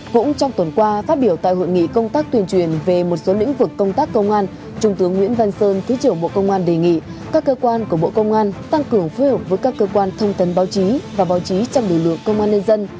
cũng trong tuần qua phát biểu tại hội nghị công tác tuyên truyền về một số lĩnh vực công tác công an trung tướng nguyễn văn sơn thứ trưởng bộ công an đề nghị các cơ quan của bộ công an tăng cường phối hợp với các cơ quan thông tấn báo chí và báo chí trong lực lượng công an nhân dân